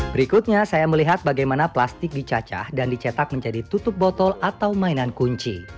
berikutnya saya melihat bagaimana plastik dicacah dan dicetak menjadi tutup botol atau mainan kunci